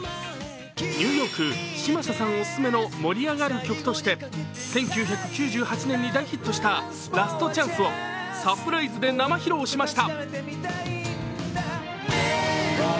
ニューヨーク・嶋佐さんオススメの盛り上がる曲として１９９８年に大ヒットした「ラストチャンス」をサプライズで生披露しました。